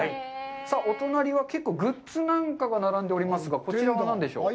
さあ、お隣は結構グッズなんかが並んでおりますが、こちらは何でしょう？